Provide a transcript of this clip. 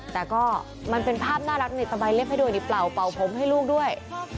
แต่ก็มันเป็นภาพน่ารักนิดต่อไปเล็บให้ดูอย่างนี้เปล่าเป่าผมให้ลูกด้วย